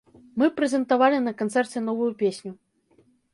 Мы прэзентавалі на канцэрце новую песню.